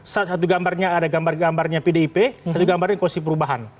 satu gambarnya ada gambar gambarnya pdip satu gambarnya koalisi perubahan